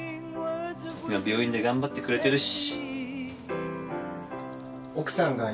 今病院で頑張ってくれてるし。